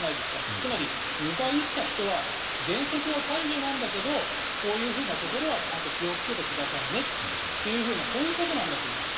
つまり２回打った人は原則は解除なんだけどこういうところはちゃんと気をつけてくださいねっていうそういうことだと思うんです。